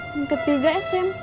yang ketiga smp